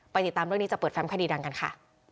ติดตามเรื่องนี้จะเปิดแฟมคดีดังกันค่ะ